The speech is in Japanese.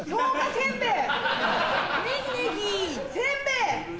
せんべい！